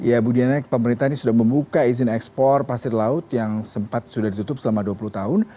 ya bu diana pemerintah ini sudah membuka izin ekspor pasir laut yang sempat sudah ditutup selama dua puluh tahun